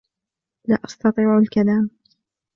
لا أستطيع الكلام.